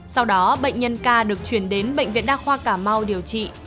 sau đó bệnh nhân ca được chuyển đến bệnh viện đa khoa cà mau điều trị